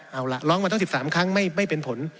เอาล่ะร้องมาทั้ง๑๓ครั้งไม่เป็นผล